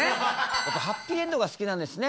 やっぱハッピーエンドが好きなんですね